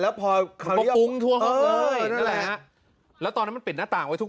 แล้วพอคราวนี้ปุ้งท่วงเขาเอ้ยนั่นแหละฮะแล้วตอนนั้นมันปิดหน้าต่างไว้ทุก